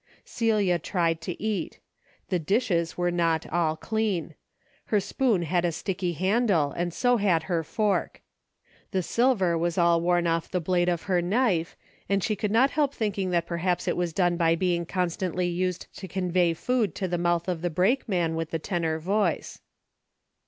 Celia tried to eat. The dishes were not all clean. Her spoon had a sticky handle and so had her fork. The silver was all worn off the blade of her knife, and she could not help thinking that perhaps it was done by being constantly used to convey food to the mouth of the brakeman with the tenor voice.